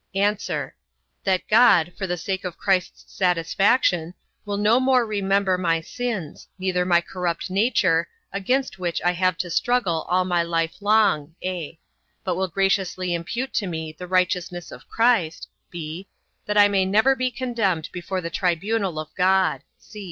A. That God, for the sake of Christ's satisfaction, will no more remember my sins, neither my corrupt nature, against which I have to struggle all my life long; (a) but will graciously impute to me the righteousness of Christ, (b) that I may never be condemned before the tribunal of God.